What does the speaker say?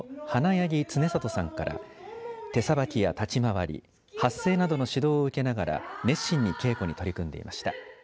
柳津祢里さんから手さばきや立ち回り、発声などの指導を受けながら熱心に稽古に取り組んでいました。